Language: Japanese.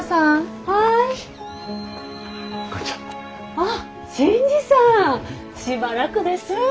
ああ新次さんしばらくです。